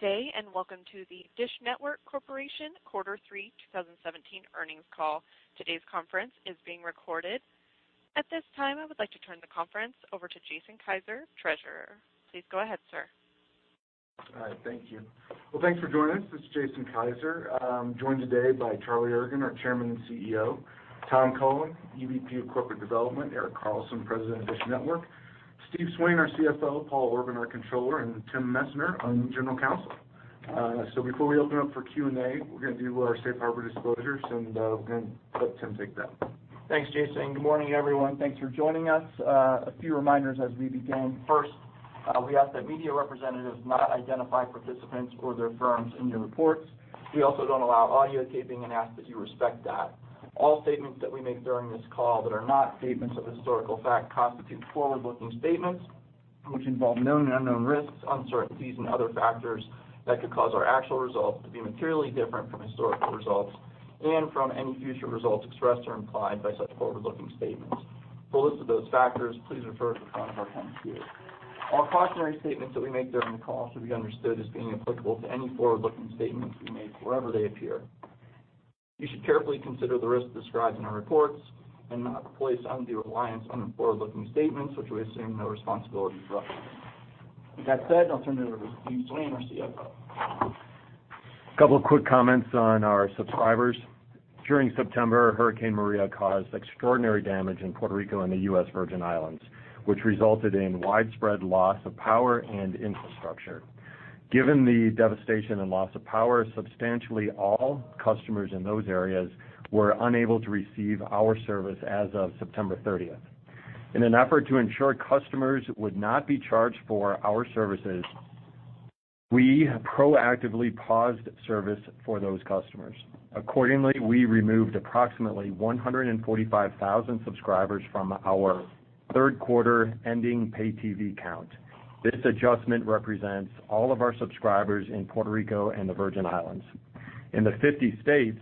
Good day, and welcome to the DISH Network Corporation Quarter Three 2017 Earnings Call. Today's conference is being recorded. At this time, I would like to turn the conference over to Jason Kiser, Treasurer. Please go ahead, sir. All right, thank you. Well, thanks for joining us. This is Jason Kiser. I'm joined today by Charlie Ergen, our Chairman and CEO, Tom Cullen, EVP of Corporate Development, Erik Carlson, President of DISH Network, Steven Swain, our CFO, Paul Orban, our Controller, and Timothy Messner on General Counsel. Before we open up for Q&A, we're gonna do our safe harbor disclosures, and we're gonna let Tim take that. Thanks, Jason. Good morning, everyone. Thanks for joining us. A few reminders as we begin. First, we ask that media representatives not identify participants or their firms in your reports. We also don't allow audio taping and ask that you respect that. All statements that we make during this call that are not statements of historical fact constitute forward-looking statements which involve known and unknown risks, uncertainties and other factors that could cause our actual results to be materially different from historical results and from any future results expressed or implied by such forward-looking statements. For a list of those factors, please refer to the front of our 10-Q. All cautionary statements that we make during the call should be understood as being applicable to any forward-looking statements we make wherever they appear. You should carefully consider the risks described in our reports and not place undue reliance on the forward-looking statements which we assume no responsibility for others. With that said, I'll turn it over to Steven Swain, our CFO. A couple of quick comments on our subscribers. During September, Hurricane Maria caused extraordinary damage in Puerto Rico and the U.S. Virgin Islands, which resulted in widespread loss of power and infrastructure. Given the devastation and loss of power, substantially all customers in those areas were unable to receive our service as of September thirtieth. In an effort to ensure customers would not be charged for our services, we proactively paused service for those customers. Accordingly, we removed approximately 145,000 subscribers from our third quarter ending Pay TV count. This adjustment represents all of our subscribers in Puerto Rico and the Virgin Islands. In the 50 states,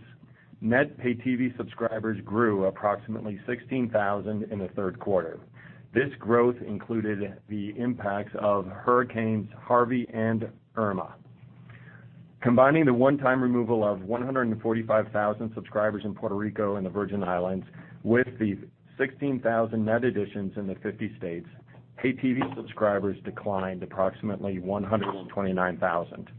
net Pay TV subscribers grew approximately 16,000 in the third quarter. This growth included the impacts of Hurricanes Harvey and Irma. Combining the one-time removal of 145,000 subscribers in Puerto Rico and the Virgin Islands with the 16,000 net additions in the 50 states, Pay TV subscribers declined approximately 129,000.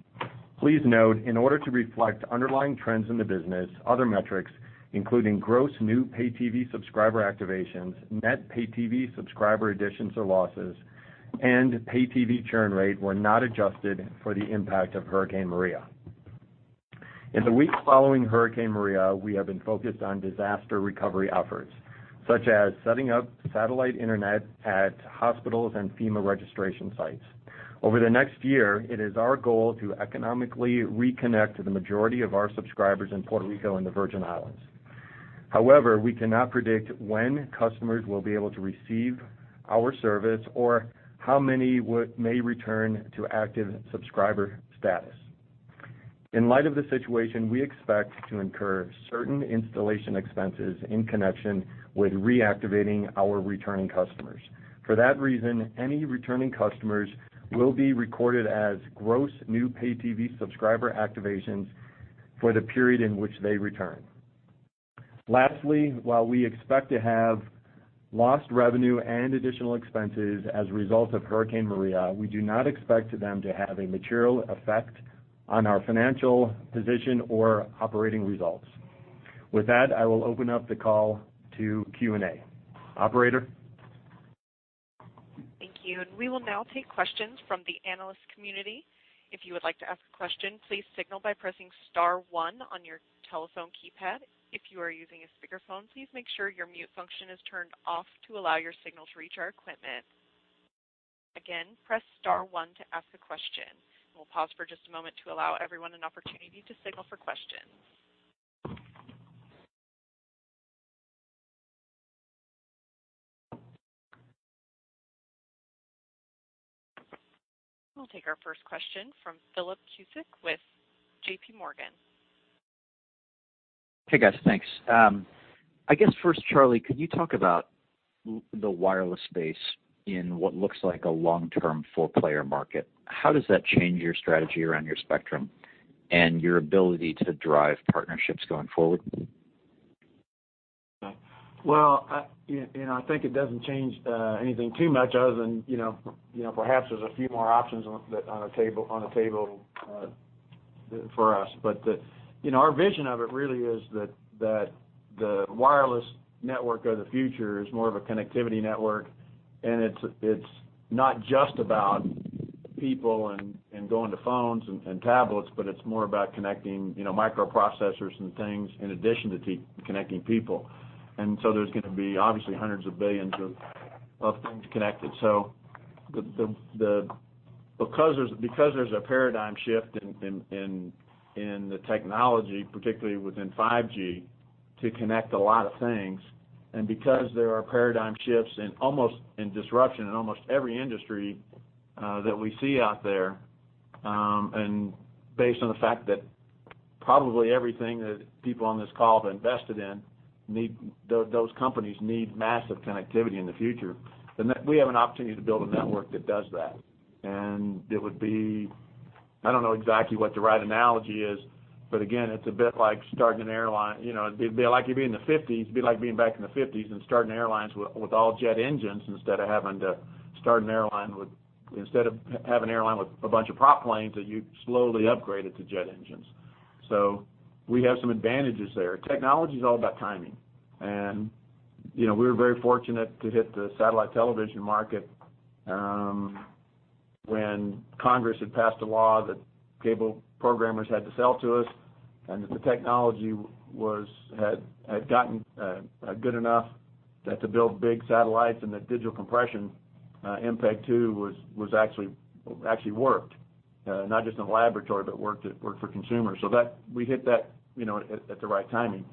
Please note, in order to reflect underlying trends in the business, other metrics, including gross new Pay TV subscriber activations, net Pay TV subscriber additions or losses, and Pay TV churn rate were not adjusted for the impact of Hurricane Maria. In the weeks following Hurricane Maria, we have been focused on disaster recovery efforts, such as setting up satellite internet at hospitals and FEMA registration sites. Over the next year, it is our goal to economically reconnect to the majority of our subscribers in Puerto Rico and the Virgin Islands. However, we cannot predict when customers will be able to receive our service or how many may return to active subscriber status. In light of the situation, we expect to incur certain installation expenses in connection with reactivating our returning customers. For that reason, any returning customers will be recorded as gross new Pay TV subscriber activations for the period in which they return. While we expect to have lost revenue and additional expenses as a result of Hurricane Maria, we do not expect them to have a material effect on our financial position or operating results. With that, I will open up the call to Q&A. Operator? Thank you. We will now take questions from the analyst community. If you would like to ask a question, please signal by pressing star one on your telephone keypad. If you are using a speakerphone, please make sure your mute function is turned off to allow your signal to reach our equipment. Again, press star one to ask a question. We will pause for just a moment to allow everyone an opportunity to signal for questions. We will take our first question from Philip Cusick with JPMorgan. Hey, guys. Thanks. I guess first, Charlie, could you talk about the wireless space in what looks like a long-term four-player market? How does that change your strategy around your spectrum and your ability to drive partnerships going forward? Well, I, you know, I think it doesn't change anything too much other than, you know, you know, perhaps there's a few more options on the table for us. You know, our vision of it really is that the wireless network of the future is more of a connectivity network, and it's not just about people and going to phones and tablets, but it's more about connecting, you know, microprocessors and things in addition to connecting people. There's gonna be obviously hundreds of billions of things connected. Because there's a paradigm shift in the technology, particularly within 5G, to connect a lot of things, and because there are paradigm shifts in disruption in almost every industry that we see out there, and based on the fact that probably everything that people on this call have invested in need massive connectivity in the future. We have an opportunity to build a network that does that. It would be, I don't know exactly what the right analogy is, but again, it's a bit like starting an airline. You know, it'd be like you'd be in the 50s, it'd be like being back in the 50s and starting airlines with all jet engines instead of have an airline with a bunch of prop planes that you slowly upgraded to jet engines. We have some advantages there. Technology's all about timing. You know, we were very fortunate to hit the satellite television market when Congress had passed a law that cable programmers had to sell to us, and that the technology had gotten good enough that to build big satellites and that digital compression, MPEG-2 was actually worked not just in the laboratory, but worked, it worked for consumers. We hit that, you know, at the right timing.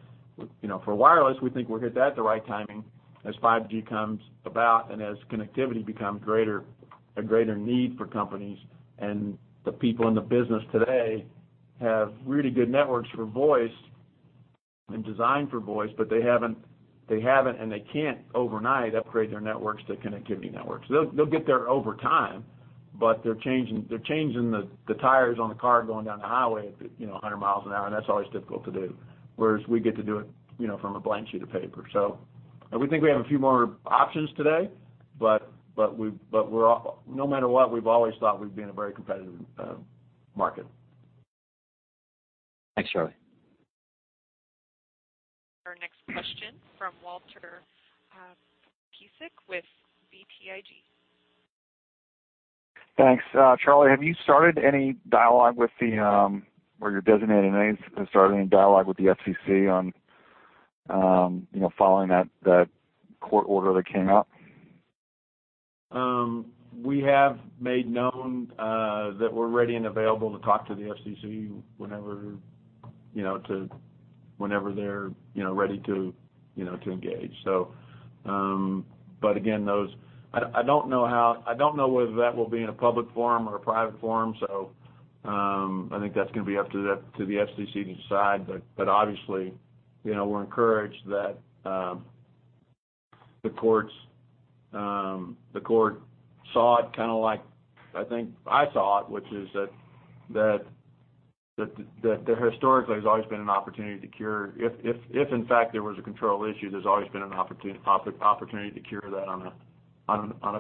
You know, for wireless, we think we'll hit that at the right timing as 5G comes about and as connectivity becomes greater, a greater need for companies. The people in the business today have really good networks for voice and designed for voice, but they haven't, and they can't overnight upgrade their networks to connectivity networks. They'll get there over time, but they're changing the tires on the car going down the highway at, you know, 100 miles an hour, and that's always difficult to do. Whereas we get to do it, you know, from a blank sheet of paper. We think we have a few more options today, but no matter what, we've always thought we'd be in a very competitive market. Thanks, Charlie. Our next question from Walter Piecyk with BTIG. Thanks. Charlie, have you started any dialogue with the FCC on, you know, following that court order that came out? We have made known that we're ready and available to talk to the FCC whenever, you know, whenever they're, you know, ready to, you know, to engage. Again, I don't know whether that will be in a public forum or a private forum. I think that's gonna be up to the FCC to decide. Obviously, you know, we're encouraged that the courts, the court saw it kinda like I think I saw it, which is that historically, there's always been an opportunity to cure. If in fact there was a control issue, there's always been an opportunity to cure that on a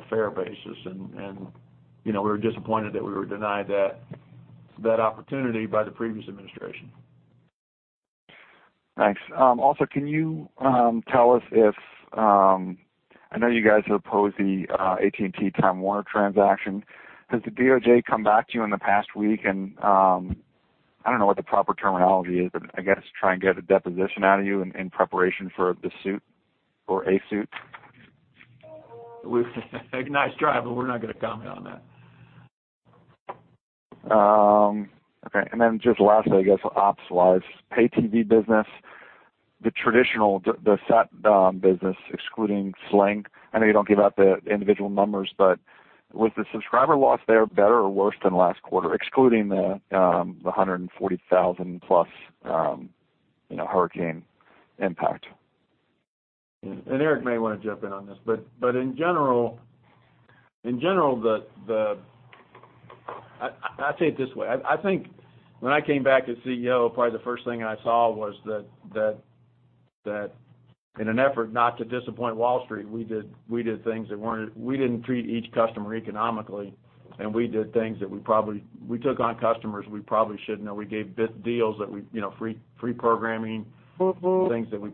fair basis. You know, we were disappointed that we were denied that opportunity by the previous administration. Thanks. Also can you tell us if I know you guys have opposed the AT&T-Time Warner transaction. Has the DOJ come back to you in the past week and I don't know what the proper terminology is, but I guess try and get a deposition out of you in preparation for the suit or a suit? We've nice try, we're not gonna comment on that. Okay. Then just lastly, I guess ops-wise, Pay TV business, the traditional, the set business excluding Sling, I know you don't give out the individual numbers, but with the subscriber loss there better or worse than last quarter, excluding the 140,000+, you know, hurricane impact? Erik may wanna jump in on this, but in general, I'll say it this way. I think when I came back as CEO, probably the first thing I saw was that in an effort not to disappoint Wall Street, we didn't treat each customer economically, and we took on customers we shouldn't have. We gave big deals that we, you know, free programming, things that we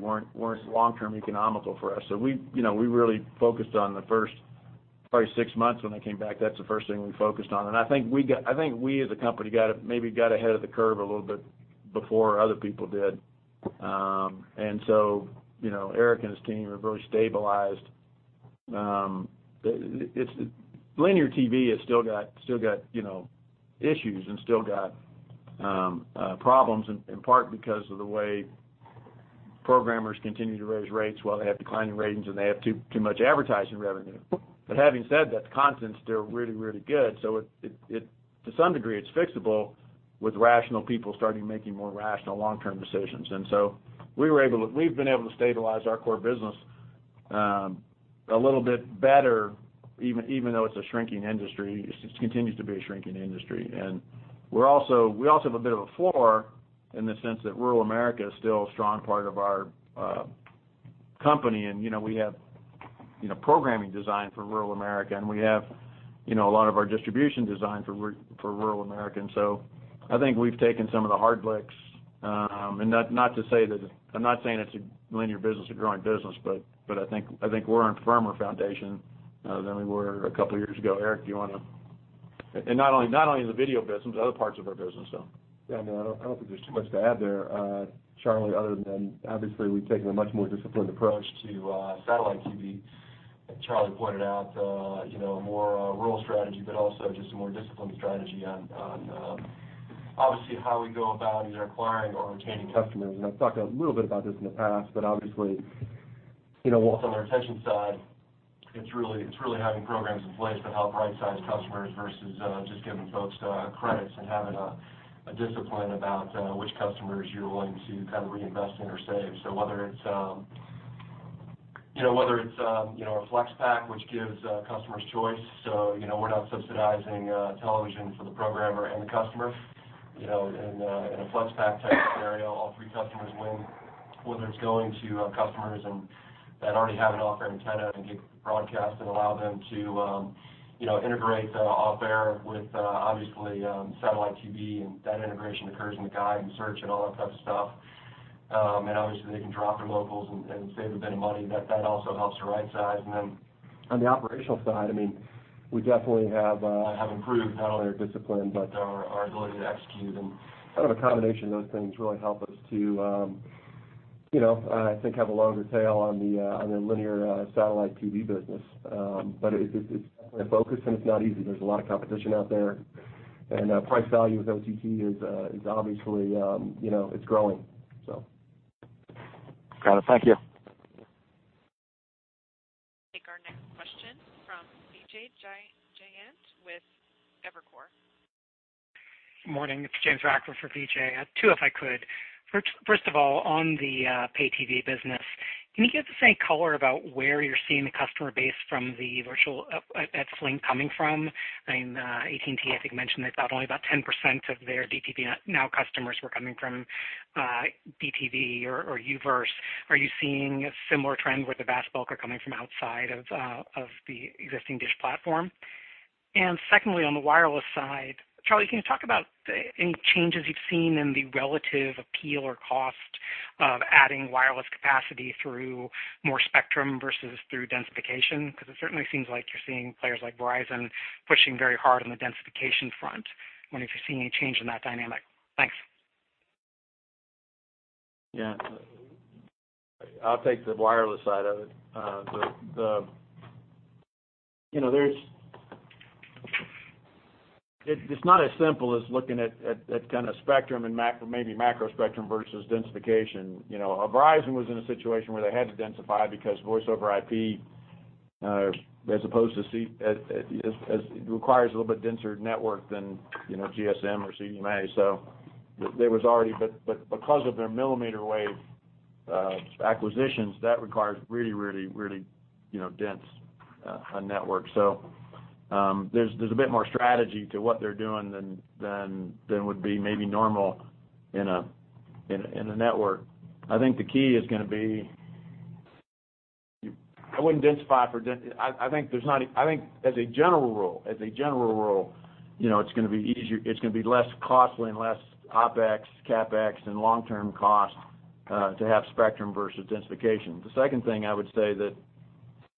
weren't long-term economical for us. We, you know, we really focused on the first probably 6 months when I came back. That's the first thing we focused on. I think we as a company maybe got ahead of the curve a little bit before other people did. You know, Erik and his team are very stabilized. Linear TV has still got, you know, issues and still got problems in part because of the way programmers continue to raise rates while they have declining ratings, and they have too much advertising revenue. Having said that, the content's still really good. It, to some degree, it's fixable with rational people starting making more rational long-term decisions. We've been able to stabilize our core business a little bit better, even though it's a shrinking industry. It continues to be a shrinking industry. We also have a bit of a floor in the sense that rural America is still a strong part of our company. You know, we have, you know, programming designed for rural America, and we have, you know, a lot of our distribution designed for rural America. I think we've taken some of the hard licks. Not to say that I'm not saying it's a linear business a growing business, but I think we're on firmer foundation than we were a couple years ago. Erik, do you wanna? Not only in the video business, but other parts of our business, so. No, I don't, I don't think there's too much to add there, Charlie, other than obviously we've taken a much more disciplined approach to satellite TV. As Charlie pointed out, you know, more rural strategy, but also just a more disciplined strategy on obviously how we go about either acquiring or retaining customers. I've talked a little bit about this in the past, but obviously. You know, on the retention side, it's really having programs in place that help right-size customers versus just giving folks credits and having a discipline about which customers you're willing to kind of reinvest in or save. Whether it's, you know, whether it's, you know, a Flex Pack which gives customers choice, you know, we're not subsidizing television for the programmer and the customer. You know, in a Flex Pack type scenario, all three customers win. Whether it's going to customers and that already have an off-air antenna and get broadcast and allow them to, you know, integrate off-air with obviously Satellite TV and that integration occurs in the guide and search and all that type of stuff. Obviously, they can drop their locals and save a bit of money. That also helps the right size. On the operational side, I mean, we definitely have improved not only our discipline, but our ability to execute and kind of a combination of those things really help us to, you know, I think have a longer tail on the linear Satellite TV business. It's definitely a focus and it's not easy. There's a lot of competition out there and price value with OTT is obviously, you know, it's growing so. Got it. Thank you. Take our next question from Vijay Jayant with Evercore. Morning. It's James Ratcliffe for Vijay. Two, if I could. First of all, on the Pay TV business, can you give the same color about where you're seeing the customer base from the virtual at Sling coming from? I mean, AT&T I think mentioned they thought only about 10% of their DTV Now customers were coming from DTV or U-verse. Are you seeing a similar trend where the vast bulk are coming from outside of the existing DISH platform? Secondly, on the wireless side, Charlie, can you talk about any changes you've seen in the relative appeal or cost of adding wireless capacity through more spectrum versus through densification? It certainly seems like you're seeing players like Verizon pushing very hard on the densification front. Wondering if you're seeing any change in that dynamic. Thanks. Yeah. I'll take the wireless side of it. You know, it's not as simple as looking at kind of spectrum and maybe macro spectrum versus densification. You know, Verizon was in a situation where they had to densify because Voice over IP requires a little bit denser network than, you know, GSM or CDMA. Because of their millimeter wave acquisitions, that requires really dense, you know, network. There's a bit more strategy to what they're doing than would be maybe normal in a network. I think the key is gonna be. I think as a general rule, you know, it's gonna be easier, it's gonna be less costly and less OpEx, CapEx and long-term cost to have spectrum versus densification. The second thing I would say that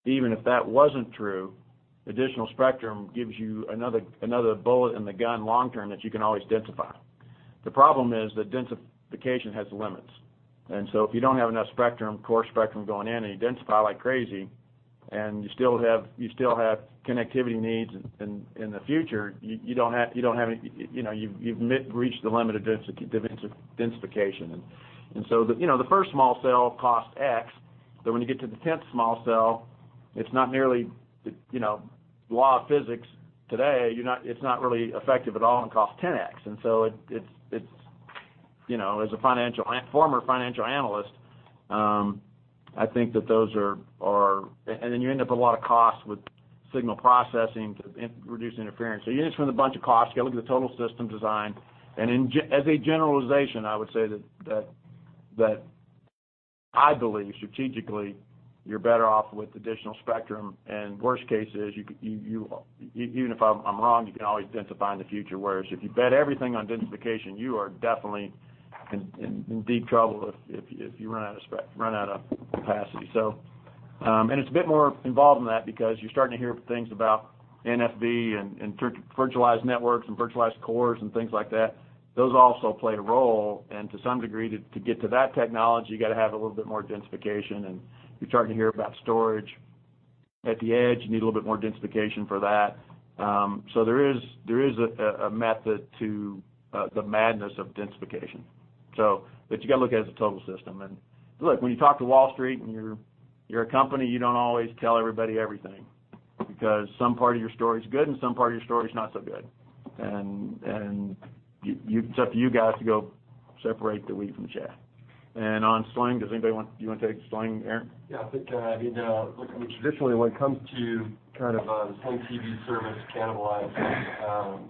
even if that wasn't true, additional spectrum gives you another bullet in the gun long term that you can always densify. The problem is that densification has limits. If you don't have enough spectrum, core spectrum going in and you densify like crazy, and you still have connectivity needs in the future, you don't have, you know, you've reached the limit of densification. The first small cell costs X, but when you get to the tenth small cell, it's not nearly, law of physics today, it's not really effective at all and costs ten X. It's as a former financial analyst. Then you end up with a lot of costs with signal processing to reduce interference. You're gonna spend a bunch of costs, you gotta look at the total system design. As a generalization, I would say that I believe strategically, you're better off with additional spectrum and worst case is you could, even if I'm wrong, you can always densify in the future. Whereas if you bet everything on densification, you are definitely in deep trouble if you run out of capacity. It's a bit more involved than that because you're starting to hear things about NFV and virtualized networks and virtualized cores and things like that. Those also play a role and to some degree, to get to that technology, you got to have a little bit more densification and you're starting to hear about storage at the edge. You need a little bit more densification for that. There is a method to the madness of densification. You got to look at it as a total system. Look, when you talk to Wall Street and you're a company, you don't always tell everybody everything because some part of your story is good and some part of your story is not so good. You, it's up to you guys to go separate the wheat from the chaff. On Sling, do you want to take Sling, Erik? Yeah, I think, I mean, look, I mean, traditionally, when it comes to kind of, Sling TV service cannibalizing,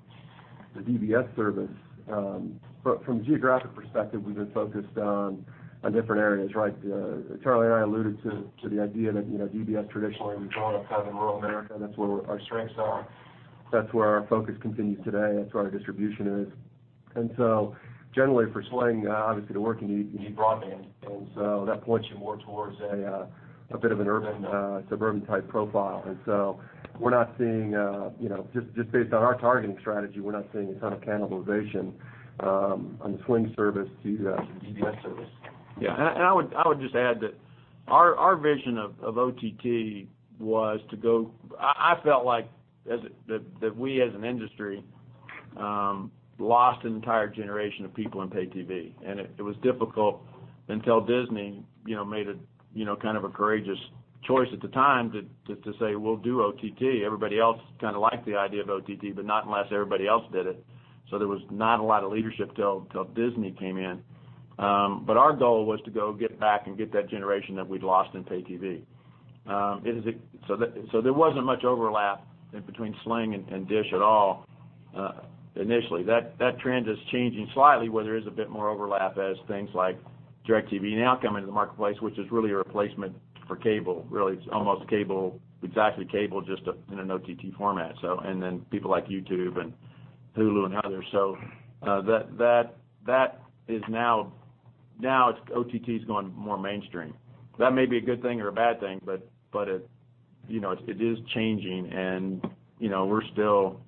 the DBS service, from geographic perspective, we've been focused on different areas, right? Charlie and I alluded to the idea that, you know, DBS traditionally, we've grown up kind of in rural America and that's where our strengths are. That's where our focus continues today. That's where our distribution is. Generally for Sling, obviously to work you need broadband. That points you more towards a bit of an urban, suburban type profile. We're not seeing, you know, just based on our targeting strategy, we're not seeing a ton of cannibalization on the Sling service to the DBS service. Yeah. I would just add that our vision of OTT was, I felt like that we as an industry lost an entire generation of people in Pay TV. It was difficult until Disney, you know, made a kind of a courageous choice at the time to say, "We'll do OTT." Everybody else kinda liked the idea of OTT, but not unless everybody else did it. There was not a lot of leadership till Disney came in. Our goal was to go get back and get that generation that we'd lost in Pay TV. There wasn't much overlap in between Sling and Dish at all initially. That trend is changing slightly, where there is a bit more overlap as things like DirecTV Now come into the marketplace, which is really a replacement for cable. Really, it's almost cable, exactly cable, just a, in an OTT format. People like YouTube and Hulu and others. That is now it's OTT's gone more mainstream. That may be a good thing or a bad thing, but it, you know, it is changing and, you know, we're still,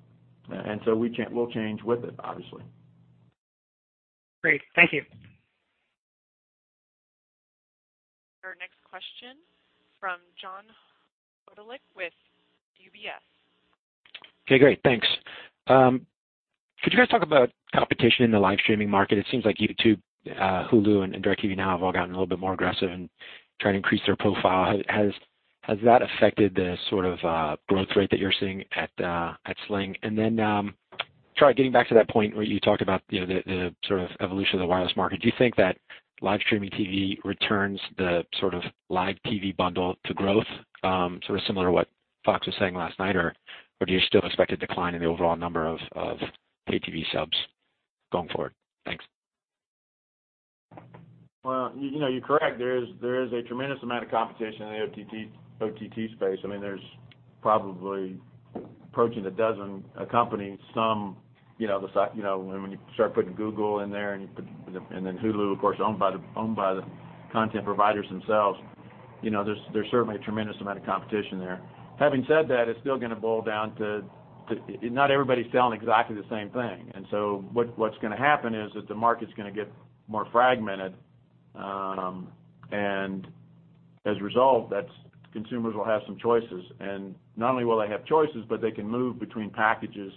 and so we'll change with it, obviously. Great. Thank you. Our next question from John Hodulik with UBS. Okay, great. Thanks. Could you guys talk about competition in the live streaming market? It seems like YouTube, Hulu, and DirecTV Now have all gotten a little bit more aggressive and trying to increase their profile. Has that affected the sort of growth rate that you're seeing at Sling? Try getting back to that point where you talked about, you know, the sort of evolution of the wireless market. Do you think that live streaming TV returns the sort of live TV bundle to growth, sort of similar to what Fox was saying last night, or do you still expect a decline in the overall number of pay TV subs going forward? Thanks. Well, you know, you're correct. There is a tremendous amount of competition in the OTT space. I mean, there's probably approaching 12 companies. Some, you know, when you start putting Google in there and then Hulu, of course, owned by the content providers themselves. You know, there's certainly a tremendous amount of competition there. Having said that, it's still gonna boil down to not everybody's selling exactly the same thing. What's gonna happen is that the market's gonna get more fragmented, and as a result, consumers will have some choices. Not only will they have choices, but they can move between packages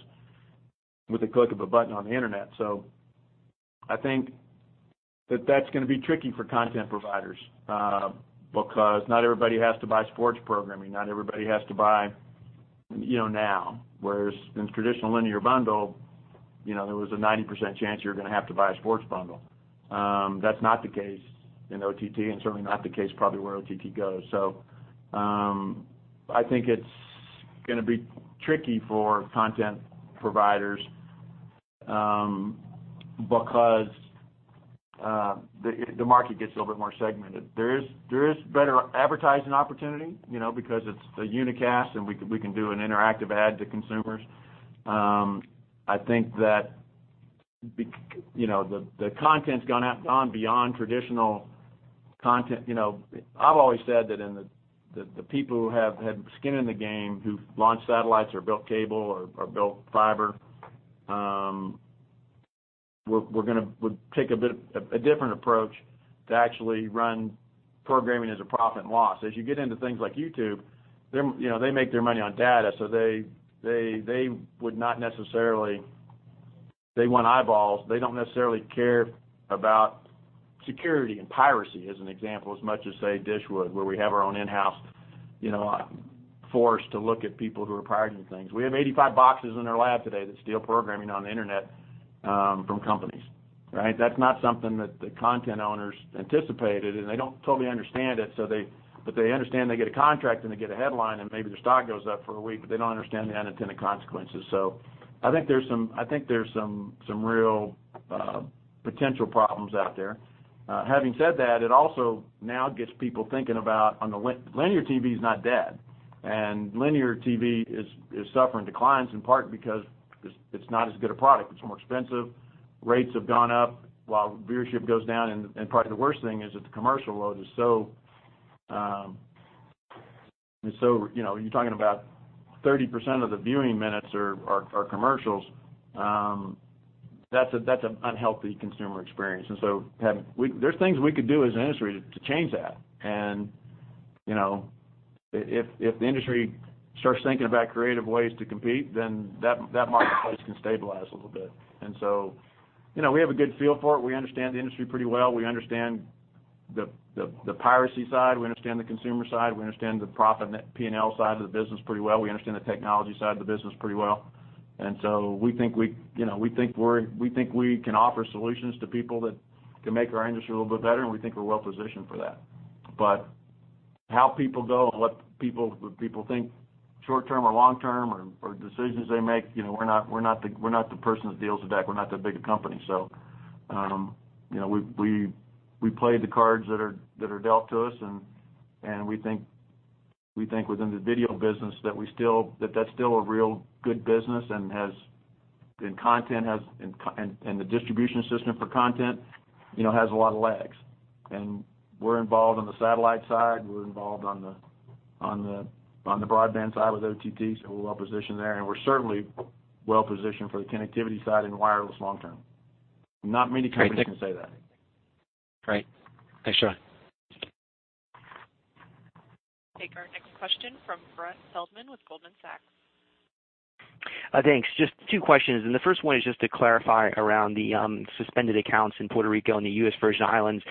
with a click of a button on the internet. I think that that's gonna be tricky for content providers, because not everybody has to buy sports programming, not everybody has to buy, you know, now. Whereas in traditional linear bundle, you know, there was a 90% chance you were gonna have to buy a sports bundle. That's not the case in OTT, and certainly not the case probably where OTT goes. I think it's gonna be tricky for content providers, because the market gets a little bit more segmented. There is better advertising opportunity, you know, because it's a unicast and we can do an interactive ad to consumers. I think that, you know, the content's gone beyond traditional content. You know, I've always said that the people who have had skin in the game, who've launched satellites or built cable or built fiber, we would take a different approach to actually run programming as a profit and loss. As you get into things like YouTube, they, you know, they make their money on data, they would not necessarily. They want eyeballs. They don't necessarily care about security and piracy, as an example, as much as, say, DISH would, where we have our own in-house, you know, force to look at people who are pirating things. We have 85 boxes in our lab today that steal programming on the internet from companies, right? That's not something that the content owners anticipated, and they don't totally understand it. They understand they get a contract and they get a headline, and maybe their stock goes up for a week, but they don't understand the unintended consequences. I think there's some real potential problems out there. Having said that, it also now gets people thinking about linear TV is not dead. Linear TV is suffering declines, in part because it's not as good a product. It's more expensive, rates have gone up while viewership goes down, and probably the worst thing is that the commercial load is so. You know, you're talking about 30% of the viewing minutes are commercials. That's an unhealthy consumer experience. There's things we could do as an industry to change that. You know, if the industry starts thinking about creative ways to compete, then that marketplace can stabilize a little bit. You know, we have a good feel for it. We understand the industry pretty well. We understand the piracy side. We understand the consumer side. We understand the profit and that P&L side of the business pretty well. We understand the technology side of the business pretty well. We think we, you know, we think we can offer solutions to people that can make our industry a little bit better, and we think we're well positioned for that. How people go and what people think short term or long term or decisions they make, you know, we're not the person that deals the deck. We're not that big a company, so, you know, we play the cards that are dealt to us, and we think within the video business that that's still a real good business and content has, and the distribution system for content, you know, has a lot of legs. We're involved on the satellite side, we're involved on the broadband side with OTT, so we're well positioned there, and we're certainly well positioned for the connectivity side and wireless long term. Not many companies can say that. Great. Thanks, Charlie. Take our next question from Brett Feldman with Goldman Sachs. Thanks. Just two questions, and the first one is just to clarify around the suspended accounts in Puerto Rico and the U.S. Virgin Islands.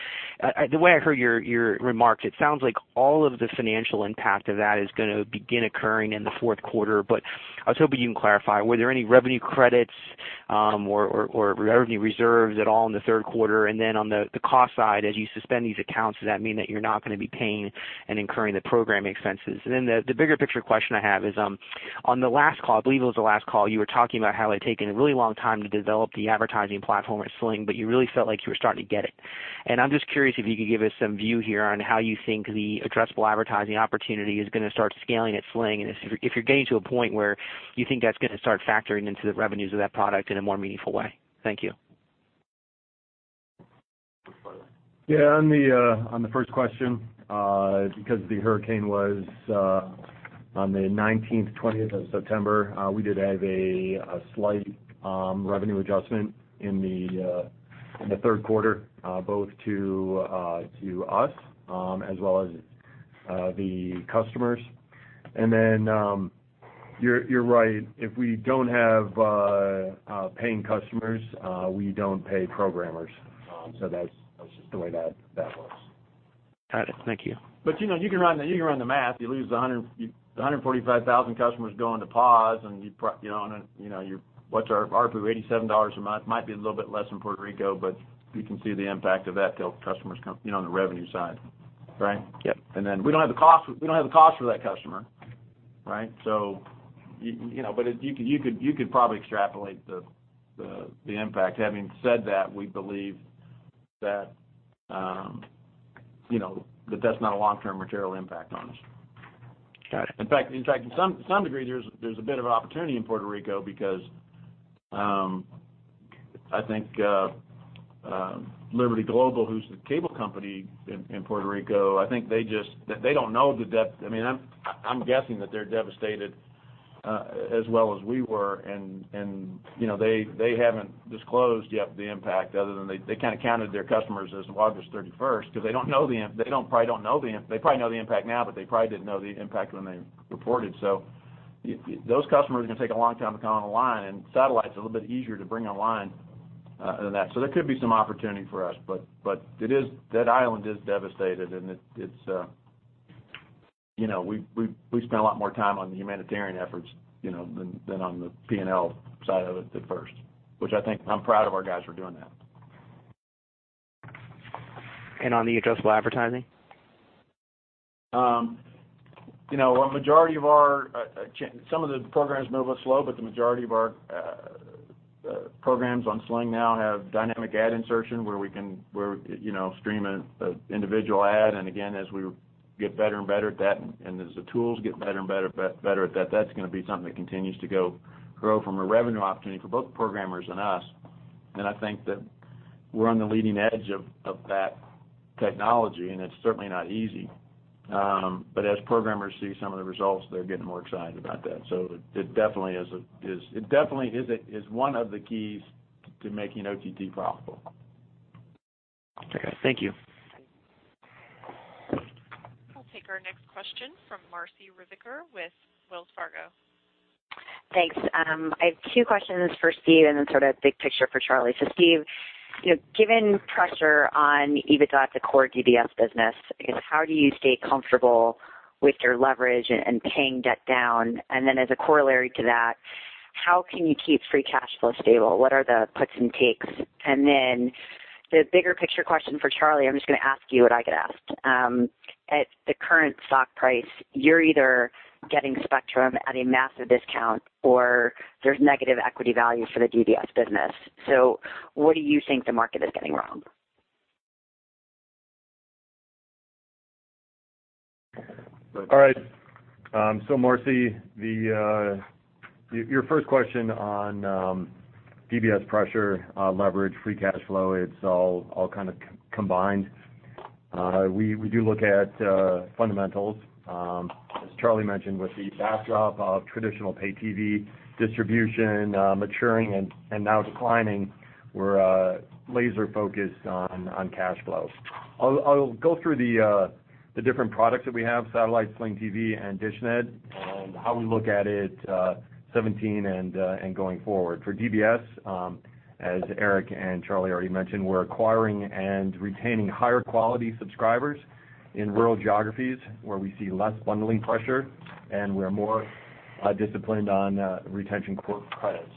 The way I heard your remarks, it sounds like all of the financial impact of that is gonna begin occurring in the fourth quarter. I was hoping you can clarify, were there any revenue credits, or revenue reserves at all in the third quarter? On the cost side, as you suspend these accounts, does that mean that you're not gonna be paying and incurring the programming expenses? The bigger picture question I have is, on the last call, I believe it was the last call, you were talking about how it had taken a really long time to develop the advertising platform at Sling, but you really felt like you were starting to get it. I'm just curious if you could give us some view here on how you think the addressable advertising opportunity is gonna start scaling at Sling, and if you're getting to a point where you think that's gonna start factoring into the revenues of that product in a more meaningful way. Thank you. On the first question, because the hurricane was on the 19th, 20th of September, we did have a slight revenue adjustment in the third quarter, both to us as well as the customers. You're right. If we don't have paying customers, we don't pay programmers. That's just the way that works. Got it. Thank you. You know, you can run the math. You lose the 145,000 customers go into pause and you know, and, you know, you're what's our ARPU, $87 a month, might be a little bit less in Puerto Rico, but you can see the impact of that till customers come, you know, on the revenue side. Right? Yep. We don't have the cost for that customer, right? You know, but you could probably extrapolate the impact. Having said that, we believe that, you know, that that's not a long-term material impact on us. Got it. In fact, in some degree, there's a bit of opportunity in Puerto Rico because I think Liberty Global, who's the cable company in Puerto Rico, I think they don't know the depth. I mean, I'm guessing that they're devastated, as well as we were. You know, they haven't disclosed yet the impact other than they kinda counted their customers as of August 31st because they don't know the impact. They probably know the impact now, but they probably didn't know the impact when they reported. Those customers are gonna take a long time to come online, and satellite's a little bit easier to bring online, than that. There could be some opportunity for us. That island is devastated, and it's, you know, we spent a lot more time on the humanitarian efforts, you know, than on the P&L side of it at first, which I think I'm proud of our guys for doing that. On the addressable advertising? You know, a majority of our programs on Sling TV now have dynamic ad insertion where we, you know, stream an individual ad. Again, as we get better and better at that and as the tools get better and better at that's gonna be something that continues to grow from a revenue opportunity for both programmers and us. I think that we're on the leading edge of that technology, and it's certainly not easy. As programmers see some of the results, they're getting more excited about that. It definitely is one of the keys to making OTT profitable. Okay. Thank you. I'll take our next question from Marci Ryvicker with Wells Fargo. Thanks. I have two questions for Steve and then sort of big picture for Charlie. Steve, you know, given pressure on EBITDA at the core DBS business, how do you stay comfortable with your leverage and paying debt down? As a corollary to that, how can you keep free cash flow stable? What are the puts and takes? The bigger picture question for Charlie, I'm just gonna ask you what I get asked. At the current stock price, you're either getting Spectrum at a massive discount or there's negative equity value for the DBS business. What do you think the market is getting wrong? All right. Marci, your first question on DBS pressure, leverage, free cash flow, it's kind of combined. We do look at fundamentals. As Charlie mentioned, with the backdrop of traditional Pay TV distribution maturing and now declining, we're laser focused on cash flow. I'll go through the different products that we have, Satellite, Sling TV and dishNET, and how we look at it 2017 and going forward. For DBS, as Erik and Charlie already mentioned, we're acquiring and retaining higher quality subscribers in rural geographies where we see less bundling pressure, and we're more disciplined on retention credits.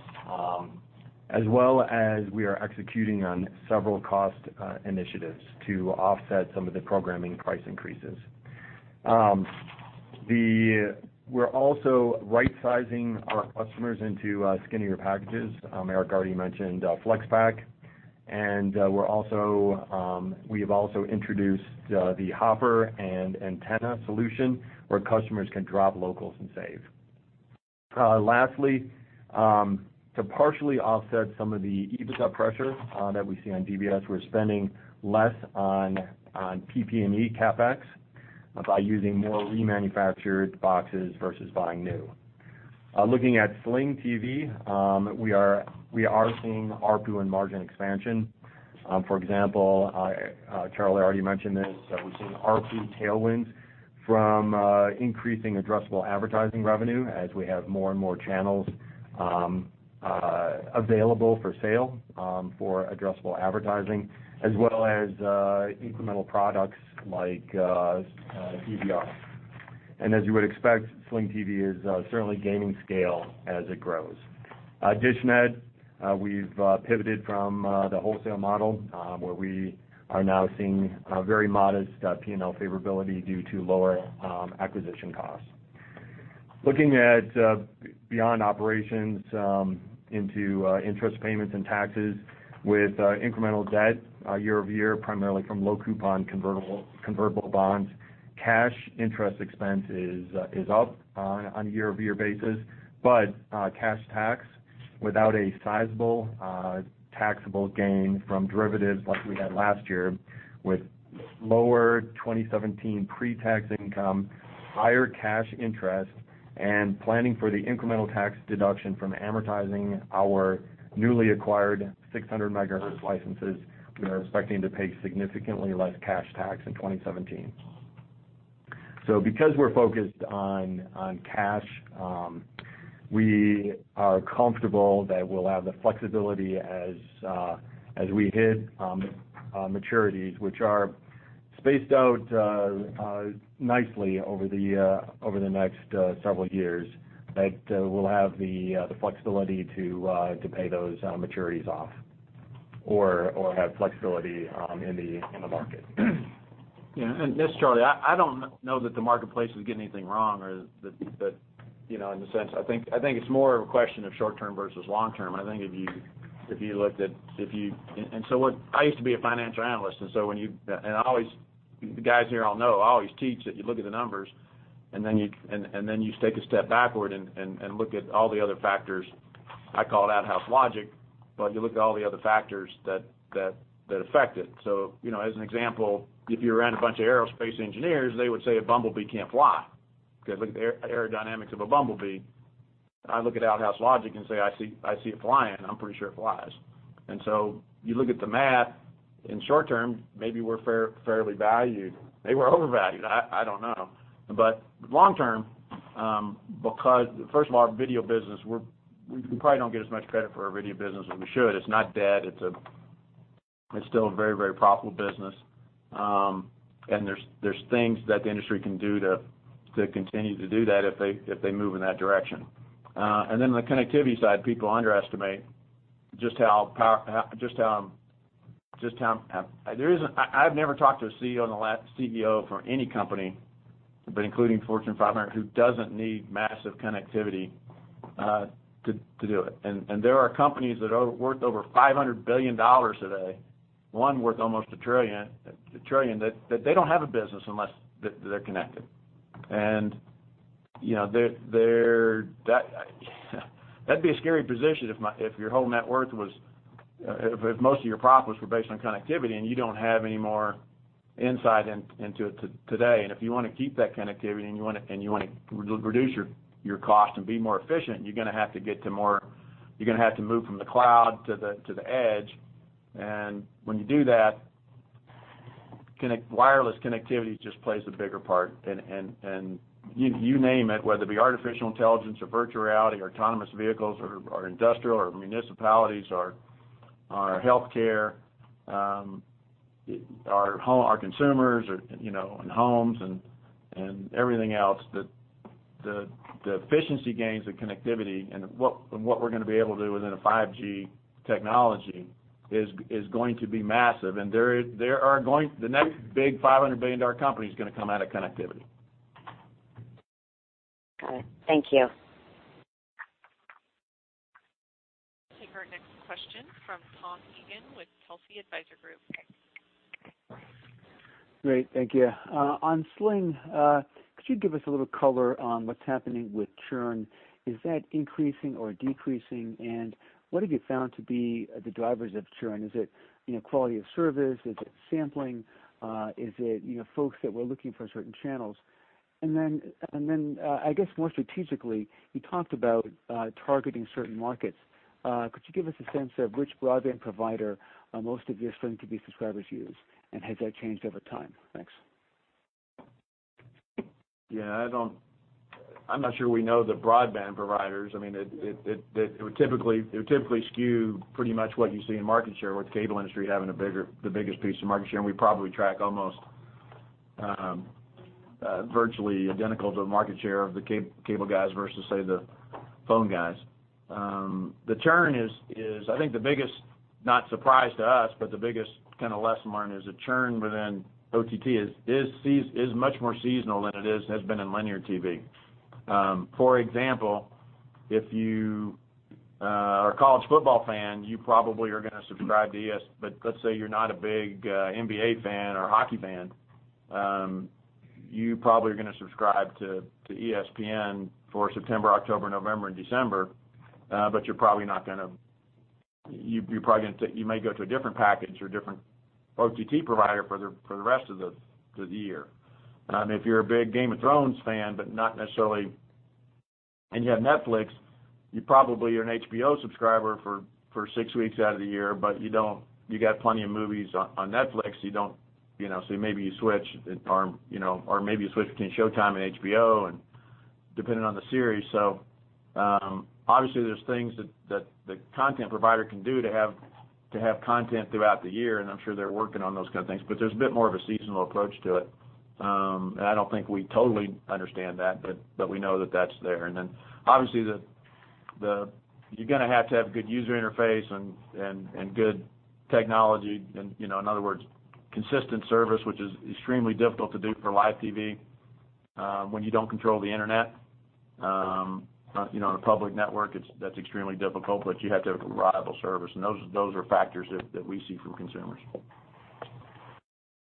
As well as we are executing on several cost initiatives to offset some of the programming price increases. We're also right sizing our customers into skinnier packages. Erik already mentioned Flex Pack. We're also, we have also introduced the Hopper and Antenna solution where customers can drop locals and save. Lastly, to partially offset some of the EBITDA pressure that we see on DBS, we're spending less on PP&E CapEx by using more remanufactured boxes versus buying new. Looking at Sling TV, we are seeing ARPU and margin expansion. For example, Charlie already mentioned this, that we're seeing ARPU tailwinds from increasing addressable advertising revenue as we have more and more channels available for sale for addressable advertising, as well as incremental products like DVR. As you would expect, Sling TV is certainly gaining scale as it grows. dishNET, we've pivoted from the wholesale model, where we are now seeing a very modest P&L favorability due to lower acquisition costs. Looking at beyond operations, into interest payments and taxes with incremental debt year-over-year, primarily from low coupon convertible bonds, cash interest expense is up on a year-over-year basis. Cash tax without a sizable taxable gain from derivatives like we had last year with lower 2017 pre-tax income, higher cash interest, and planning for the incremental tax deduction from amortizing our newly acquired 600 MHz licenses, we are expecting to pay significantly less cash tax in 2017. Because we're focused on cash, we are comfortable that we'll have the flexibility as we hit maturities, which are spaced out nicely over the next several years, that we'll have the flexibility to pay those maturities off or have flexibility in the market. This, Charlie, I don't know that the marketplace is getting anything wrong or that, you know, in the sense. I think it's more of a question of short term versus long term. I think if you looked at. I used to be a financial analyst, and so when you, and I always. The guys here all know, I always teach that you look at the numbers, and then you, and then you take a step backward and look at all the other factors. I call it outhouse logic. You look at all the other factors that affect it. You know, as an example, if you're around a bunch of aerospace engineers, they would say a bumblebee can't fly because look at the aerodynamics of a bumblebee. I look at outhouse logic and say, "I see it flying, I'm pretty sure it flies." You look at the math, in short term, maybe we're fairly valued. Maybe we're overvalued. I don't know. Long term, because first of all, our video business, we probably don't get as much credit for our video business as we should. It's not dead. It's still a very profitable business. There's things that the industry can do to continue to do that if they move in that direction. On the connectivity side, people underestimate just how I've never talked to a CEO from any company, but including Fortune 500, who doesn't need massive connectivity to do it. There are companies that are worth over $500 billion today, one worth almost $1 trillion, that they don't have a business unless they're connected. You know, that'd be a scary position if your whole net worth was, if most of your profits were based on connectivity and you don't have any more insight into it today. If you wanna keep that connectivity and you wanna reduce your cost and be more efficient, you're gonna have to move from the cloud to the edge. When you do that, wireless connectivity just plays a bigger part. You name it, whether it be artificial intelligence or virtual reality or autonomous vehicles or industrial or municipalities or healthcare, our home, our consumers or, you know, in homes and everything else, the efficiency gains of connectivity and what we're gonna be able to do within a 5G technology is going to be massive. There are going. The next big $500 billion company is gonna come out of connectivity. Got it. Thank you. We'll take our next question from Tom Eagan with Telsey Advisory Group. Great. Thank you. On Sling TV, could you give us a little color on what's happening with churn? Is that increasing or decreasing? What have you found to be the drivers of churn? Is it, you know, quality of service? Is it sampling? Is it, you know, folks that were looking for certain channels? I guess more strategically, you talked about targeting certain markets. Could you give us a sense of which broadband provider most of your Sling TV subscribers use, and has that changed over time? Thanks. I'm not sure we know the broadband providers. I mean, it would typically skew pretty much what you see in market share, with the cable industry having a bigger, the biggest piece of market share. And we probably track almost virtually identical to the market share of the cable guys versus, say, the phone guys. The churn is I think the biggest, not surprise to us, but the biggest kinda lesson learned is the churn within OTT is much more seasonal than it is, has been in linear TV. For example, if you are a college football fan, but let's say you're not a big NBA fan or hockey fan, you probably are gonna subscribe to ESPN for September, October, November and December. You may go to a different package or different OTT provider for the rest of the year. If you're a big Game of Thrones fan, but not necessarily and you have Netflix, you probably are an HBO subscriber for six weeks out of the year, but you got plenty of movies on Netflix, you don't, you know. You know, maybe you switch between Showtime and HBO and depending on the series. Obviously, there's things that the content provider can do to have content throughout the year, and I'm sure they're working on those kind of things, but there's a bit more of a seasonal approach to it. I don't think we totally understand that, but we know that that's there. Obviously, you're gonna have to have good user interface and good technology and, you know, in other words, consistent service, which is extremely difficult to do for live TV when you don't control the internet. You know, on a public network, that's extremely difficult, but you have to have reliable service, and those are factors that we see from consumers.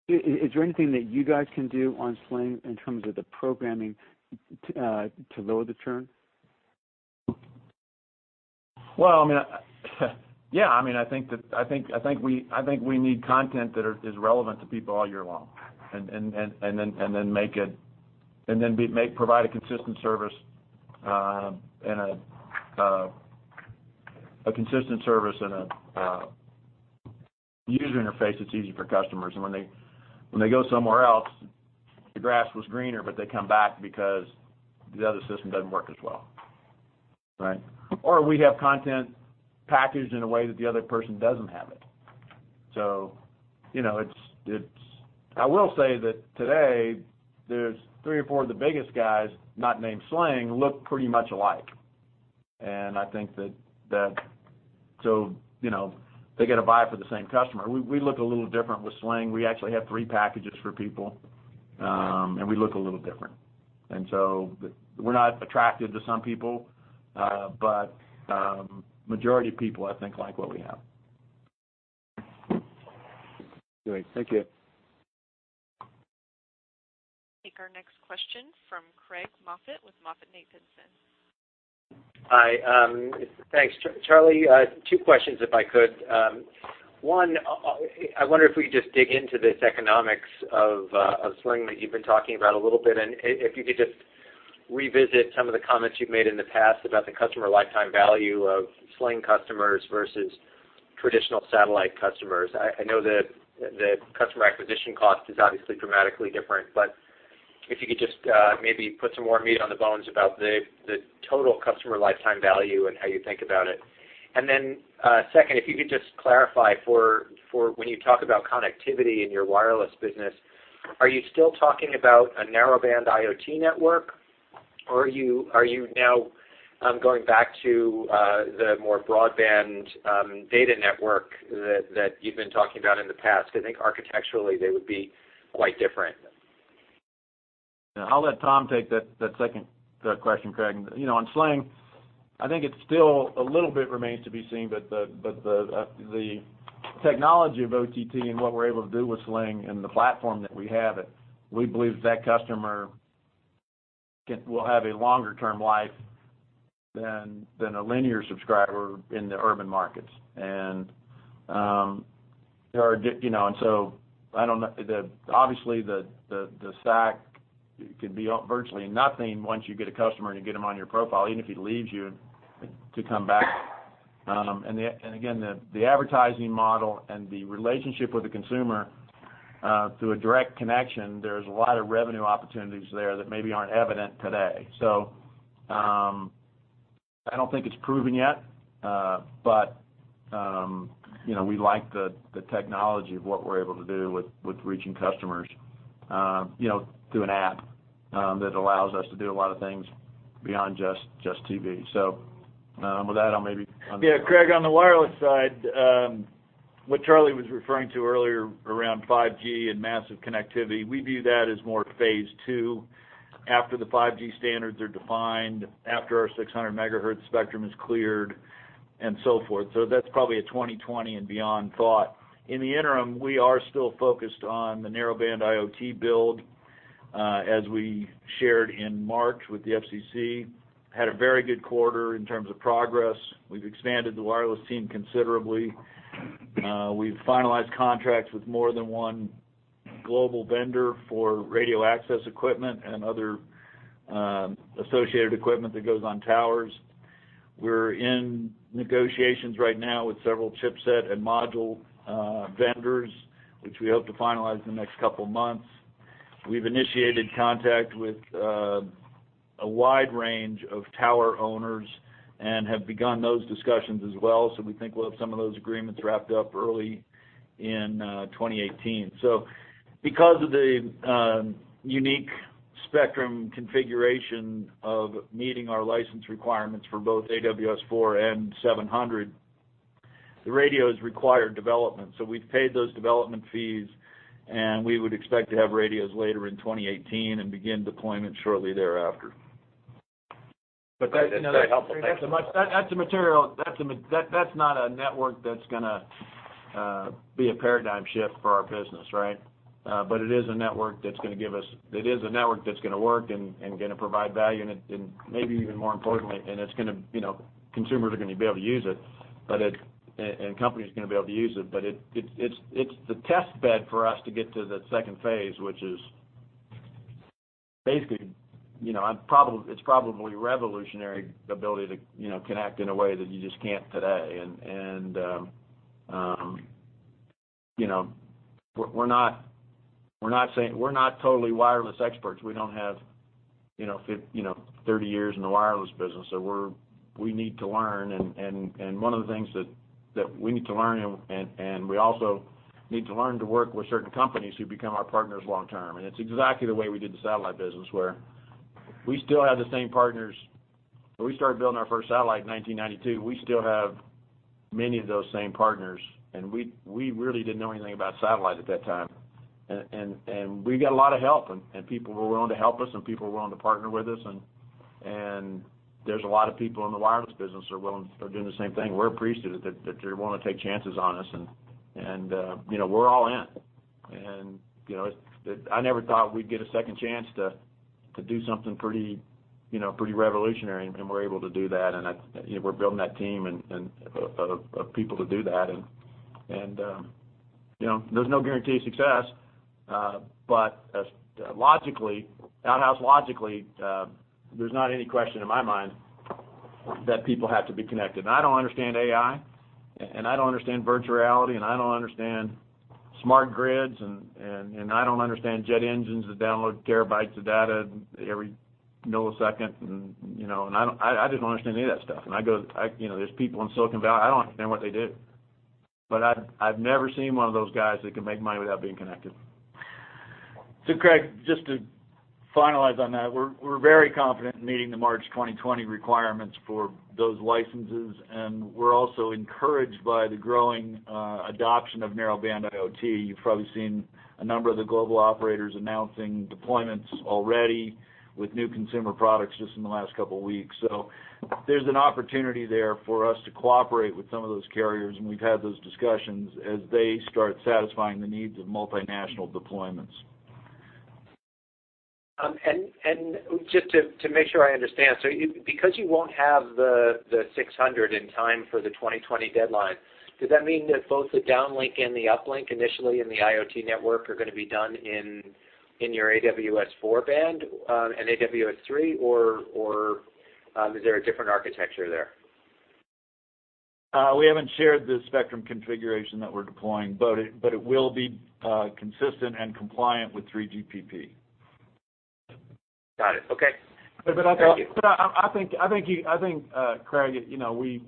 Is there anything that you guys can do on Sling in terms of the programming to lower the churn? Well, I mean, I think we need content that is relevant to people all year long and then provide a consistent service and a user interface that's easy for customers. When they go somewhere else, the grass was greener, but they come back because the other system doesn't work as well, right? We have content packaged in a way that the other person doesn't have it. It's I will say that today there's three or four of the biggest guys, not named Sling, look pretty much alike. I think that they get a vibe for the same customer. We look a little different with Sling. We actually have three packages for people, we look a little different. We're not attractive to some people, but majority of people I think like what we have. Great. Thank you. Take our next question from Craig Moffett with MoffettNathanson. Hi. Thanks. Charlie, two questions if I could. One, I wonder if we could just dig into this economics of Sling that you've been talking about a little bit, and if you could just revisit some of the comments you've made in the past about the customer lifetime value of Sling customers versus traditional satellite customers. I know the customer acquisition cost is obviously dramatically different, but if you could just maybe put some more meat on the bones about the total customer lifetime value and how you think about it. Second, if you could just clarify for when you talk about connectivity in your wireless business, are you still talking about a Narrowband IoT network, or are you now going back to the more broadband data network that you've been talking about in the past? I think architecturally they would be quite different. Yeah. I'll let Tom take that second question, Craig. You know, on Sling, I think it still a little bit remains to be seen, but the technology of OTT and what we're able to do with Sling and the platform that we have it, we believe that customer will have a longer term life than a linear subscriber in the urban markets. There are, you know, I don't know, obviously, the stack can be virtually nothing once you get a customer and you get them on your profile, even if he leaves you to come back. Again, the advertising model and the relationship with the consumer through a direct connection, there's a lot of revenue opportunities there that maybe aren't evident today. I don't think it's proven yet. You know, we like the technology of what we're able to do with reaching customers, you know, through an app that allows us to do a lot of things beyond just TV. With that, I'll maybe hand it over. Yeah, Craig, on the wireless side, what Charlie was referring to earlier around 5G and massive connectivity, we view that as more phase II after the 5G standards are defined, after our 600 MHz spectrum is cleared, and so forth. That's probably a 2020 and beyond thought. In the interim, we are still focused on the Narrowband IoT build, as we shared in March with the FCC. We had a very good quarter in terms of progress. We've expanded the wireless team considerably. We've finalized contracts with more than one global vendor for radio access equipment and other associated equipment that goes on towers. We're in negotiations right now with several chipset and module vendors, which we hope to finalize in the next couple of months. We've initiated contact with a wide range of tower owners and have begun those discussions as well, we think we'll have some of those agreements wrapped up early in 2018. Because of the unique spectrum configuration of meeting our license requirements for both AWS-4 and 700, the radios require development. We've paid those development fees, and we would expect to have radios later in 2018 and begin deployment shortly thereafter. That helpful. Thanks so much. That's not a network that's gonna be a paradigm shift for our business, right? It is a network that's gonna work and gonna provide value, and maybe even more importantly, it's gonna, you know, consumers are gonna be able to use it, and companies are gonna be able to use it. It's the test bed for us to get to the second phase, which is basically, you know, it's probably revolutionary, the ability to, you know, connect in a way that you just can't today. You know, we're not totally wireless experts. We don't have, you know, 30 years in the wireless business. We need to learn and one of the things that we need to learn and we also need to learn to work with certain companies who become our partners long term. It's exactly the way we did the satellite business, where we still have the same partners. When we started building our first satellite in 1992, we still have many of those same partners, and we really didn't know anything about satellite at that time. We got a lot of help and people were willing to help us, and people were willing to partner with us. There's a lot of people in the wireless business are doing the same thing. We're appreciative that they're willing to take chances on us and, you know, we're all in. You know, I never thought we'd get a second chance to do something pretty, you know, pretty revolutionary, and we're able to do that. I, you know, we're building that team and of people to do that. You know, there's no guarantee of success, but as logically, outhouse logically, there's not any question in my mind that people have to be connected. I don't understand AI, and I don't understand virtual reality, and I don't understand smart grids, and I don't understand jet engines that download terabytes of data every millisecond. You know, I didn't understand any of that stuff. I go, I, you know, there's people in Silicon Valley, I don't understand what they do. I've never seen one of those guys that can make money without being connected. Craig, just to finalize on that, we're very confident in meeting the March 2020 requirements for those licenses, and we're also encouraged by the growing adoption of Narrowband IoT. You've probably seen a number of the global operators announcing deployments already with new consumer products just in the last two weeks. There's an opportunity there for us to cooperate with some of those carriers, and we've had those discussions as they start satisfying the needs of multinational deployments. Just to make sure I understand. Because you won't have the 600 in time for the 2020 deadline, does that mean that both the downlink and the uplink initially in the IoT network are gonna be done in your AWS-4 band and AWS-3 or is there a different architecture there? We haven't shared the spectrum configuration that we're deploying, but it will be consistent and compliant with 3GPP. Got it. Okay. Thank you. I think, Craig, you know, we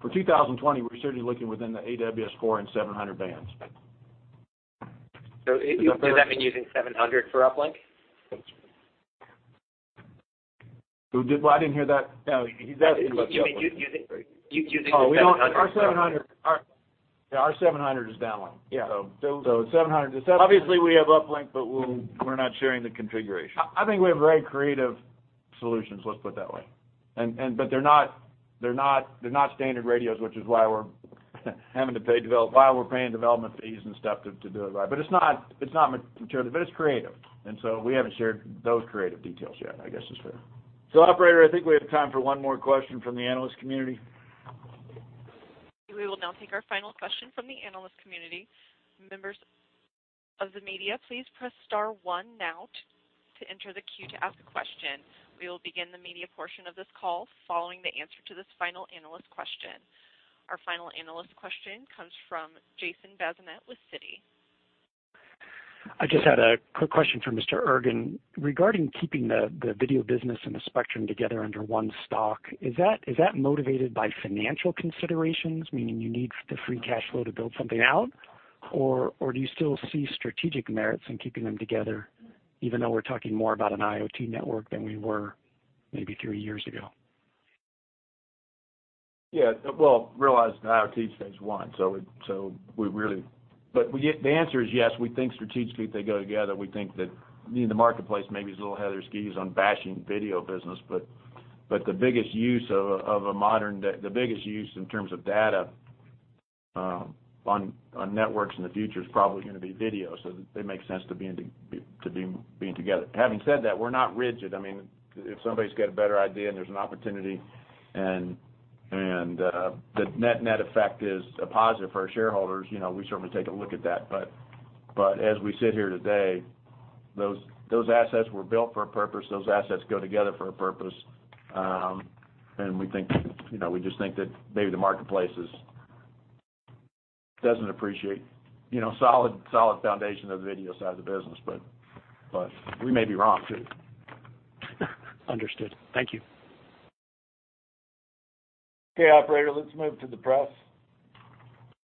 for 2020, we're certainly looking within the AWS-4 and 700 bands. Does that mean using 700 for uplink? Well, I didn't hear that. No, he's asking about the uplink. You think using the 700 for uplink? Oh, we don't. Our 700 is downlink. Yeah. 700 is downlink. Obviously, we have uplink, but we're not sharing the configuration. I think we have very creative solutions, let's put it that way. But they're not standard radios, which is why we're paying development fees and stuff to do it right. It's not material, but it's creative. We haven't shared those creative details yet, I guess is fair. Operator, I think we have time for one more question from the analyst community. We will now take our final question from the analyst community. Members of the media, please press star one now to enter the queue to ask a question. We will begin the media portion of this call following the answer to this final analyst question. Our final analyst question comes from Jason Bazinet with Citi. I just had a quick question for Mr. Ergen. Regarding keeping the video business and the spectrum together under one stock, is that motivated by financial considerations, meaning you need the free cash flow to build something out? Do you still see strategic merits in keeping them together, even though we're talking more about an IoT network than we were maybe three years ago? Well, realize that IoT is phase one. The answer is yes. We think strategically they go together. We think that the marketplace maybe is a little heuristics on bashing video business. The biggest use in terms of data on networks in the future is probably gonna be video. It makes sense to be together. Having said that, we're not rigid. I mean, if somebody's got a better idea and there's an opportunity and the net effect is a positive for our shareholders, you know, we certainly take a look at that. As we sit here today, those assets were built for a purpose. Those assets go together for a purpose. We think, you know, we just think that maybe the marketplace is, doesn't appreciate, you know, solid foundation of the video side of the business. We may be wrong, too. Understood. Thank you. Okay, operator, let's move to the press.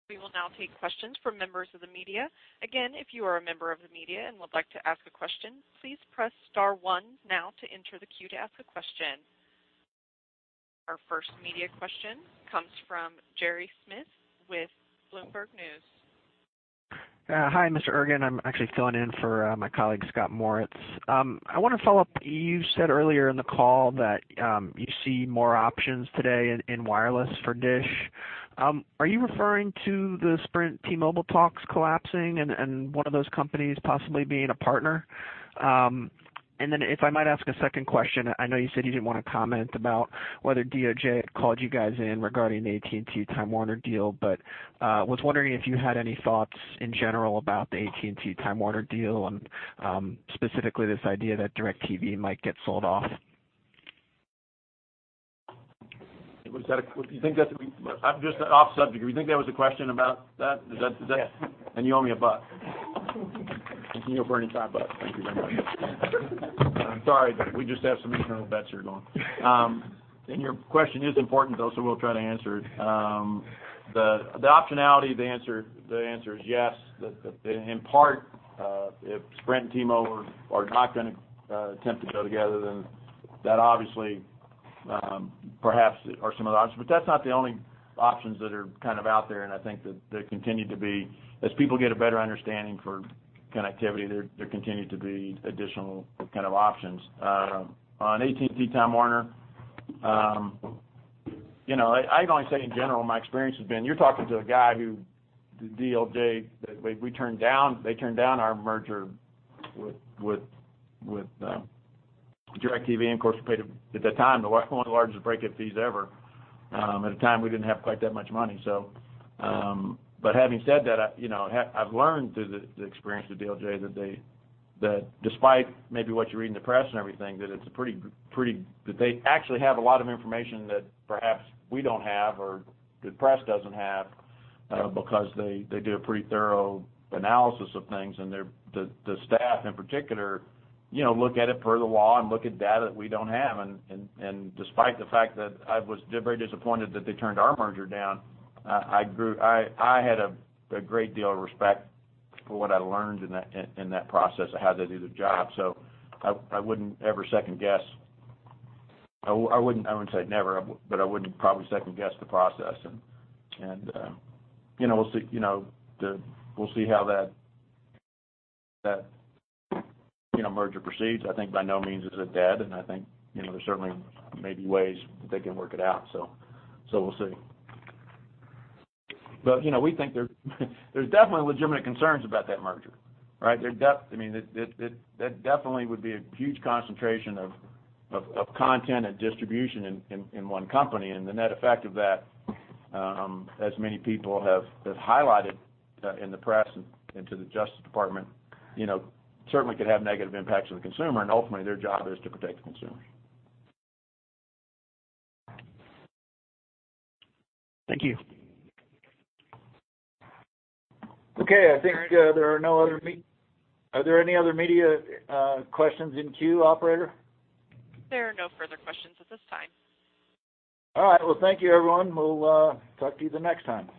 We will now take questions from members of the media. Again, if you are a member of the media and would like to ask a question, please press star one now to enter the queue to ask a question. Our first media question comes from Gerry Smith with Bloomberg News. Hi, Mr. Ergen. I'm actually filling in for my colleague, Scott Moritz. I wanna follow up. You said earlier in the call that you see more options today in wireless for DISH. Are you referring to the Sprint T-Mobile talks collapsing and one of those companies possibly being a partner? Then if I might ask a second question, I know you said you didn't wanna comment about whether DOJ had called you guys in regarding the AT&T Time Warner deal, but was wondering if you had any thoughts in general about the AT&T Time Warner deal and specifically this idea that DirecTV might get sold off. Just off subject, do we think that was a question about that? Yes. You owe me $1. Continue for any time, thank you very much. I'm sorry, we just have some internal bets here going. Your question is important though, we'll try to answer it. The optionality, the answer is yes, in part, if Sprint and T-Mobile are not going to attempt to go together, that obviously perhaps are some of the options. That's not the only options that are kind of out there, I think that there continue to be as people get a better understanding for connectivity, there continue to be additional kind of options. On AT&T Time Warner, you know, I can only say in general, my experience has been you're talking to a guy who the DOJ, they turned down our merger with DirecTV, and of course we paid, at that time, one of the largest breakup fees ever. At the time, we didn't have quite that much money, so. Having said that, I, you know, I've learned through the experience with the DOJ that they, that despite maybe what you read in the press and everything. They actually have a lot of information that perhaps we don't have or the press doesn't have, because they do a pretty thorough analysis of things and their staff in particular, you know, look at it per the law and look at data that we don't have. Despite the fact that I was very disappointed that they turned our merger down, I had a great deal of respect for what I learned in that process of how they do their job. I wouldn't ever second guess. I wouldn't say never, but I wouldn't probably second guess the process. You know, we'll see, you know, we'll see how that, you know, merger proceeds. I think by no means is it dead, and I think, you know, there certainly may be ways that they can work it out, so we'll see. You know, we think there's definitely legitimate concerns about that merger, right? I mean, it that definitely would be a huge concentration of content and distribution in one company. The net effect of that, as many people have highlighted in the press and to the Justice Department, you know, certainly could have negative impacts on the consumer, and ultimately their job is to protect the consumer. Thank you. Okay. I think, are there any other media questions in queue, operator? There are no further questions at this time. All right. Well, thank you everyone. We'll talk to you the next time.